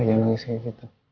ya nangis kayak gitu